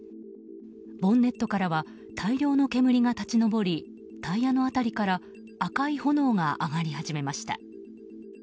ボンネットからは大量の煙が立ち上りタイヤの辺りから赤い炎が上がり始めました。